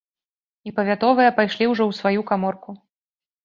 І павятовыя пайшлі ўжо ў сваю каморку.